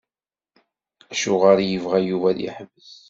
Acuɣer i yebɣa Yuba ad yeḥbes?